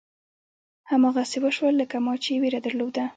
هماغسې وشول لکه ما چې وېره درلوده.